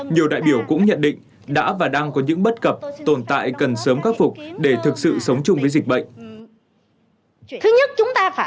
nhiều đại biểu cũng nhận định đã và đang có những bất cập tồn tại cần sớm khắc phục để thực sự sống chung với dịch bệnh